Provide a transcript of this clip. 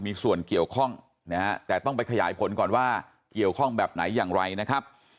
มีส่วนเกี่ยวข้องนะฮะแต่ต้องไปขยายผลก่อนว่าเกี่ยวข้องแบบไหนอย่างไรนะครับ